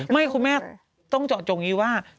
คุณแม่ต้องเจาะจงนี้ว่า